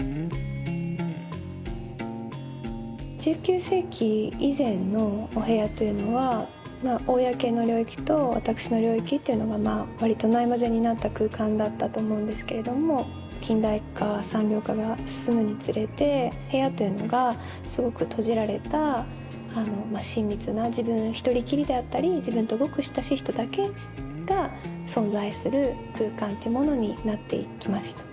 １９世紀以前のお部屋というのは公の領域と私の領域っていうのが割とないまぜになった空間だったと思うんですけれども近代化産業化が進むにつれて部屋というのがすごく閉じられた親密な自分一人きりであったり自分とごく親しい人だけが存在する空間というものになっていきました。